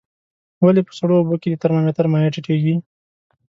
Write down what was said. ولې په سړو اوبو کې د ترمامتر مایع ټیټیږي؟